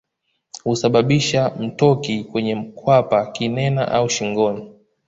Husababisha mtoki kwenye kwapa kinena au shingoni